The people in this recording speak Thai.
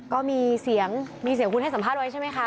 ก็มีเสียงมีเสียงคุณให้สัมภาษณ์ไว้ใช่ไหมคะ